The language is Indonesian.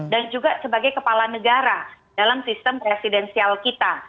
dan juga sebagai kepala negara dalam sistem presidensial kita